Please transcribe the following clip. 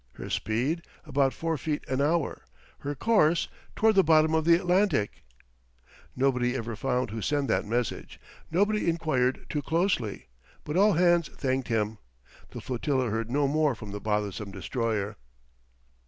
HER SPEED? ABOUT FOUR FEET AN HOUR. HER COURSE? TOWARD THE BOTTOM OF THE ATLANTIC. Nobody ever found who sent that message; nobody inquired too closely; but all hands thanked him. The flotilla heard no more from the bothersome destroyer.